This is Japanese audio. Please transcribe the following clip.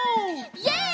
イエイ！